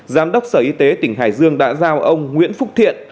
giám đốc sở y tế tỉnh hải dương đã giao ông nguyễn phúc thiện